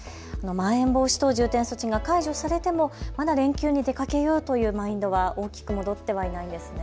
まん延防止等重点措置が解除されてもまだ連休に出かけようというマインドは大きく戻ってはいなんですね。